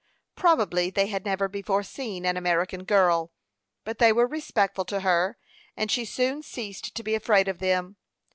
Probably they had never before seen an American girl. But they were respectful to her, and she soon ceased to be afraid of them.